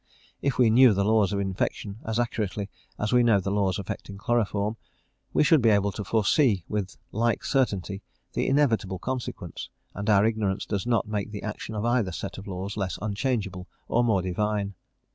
If we knew the laws of infection as accurately as we know the laws affecting chloroform, we should be able to foresee with like certainty the inevitable consequence; and our ignorance does not make the action of either set of laws less unchangeable or more divine.